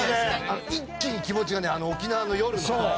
一気に気持ちがね沖縄の夜の。